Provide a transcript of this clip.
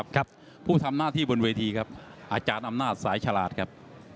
ครับผู้ทำหน้าที่บนเวทีครับอาจารย์อำนาจสายฉลาดครับ